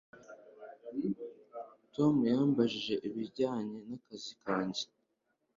Tom yambajije ibijyanye nakazi kanjye